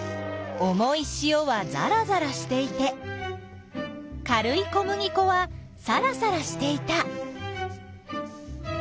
重いしおはざらざらしていて軽い小麦粉はさらさらしていた。